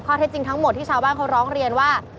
เท็จจริงทั้งหมดที่ชาวบ้านเขาร้องเรียนว่า